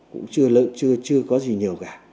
cũng chưa chưa có gì nhiều cả